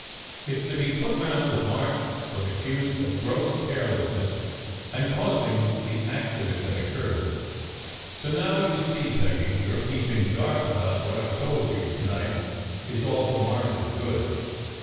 It s to be put round that March was accused of gross carelessness, and causing the accident that occurred. So now you see, Peggy, your keeping dark about what I ve told you to night is all for March s good.